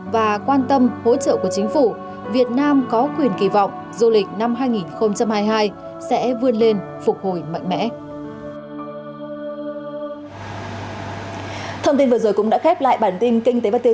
và quan tâm hỗ trợ của chính phủ việt nam có quyền kỳ vọng du lịch năm hai nghìn hai mươi hai sẽ vươn lên phục hồi mạnh mẽ